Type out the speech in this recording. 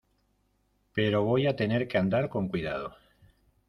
pero voy a tener que andar con cuidado.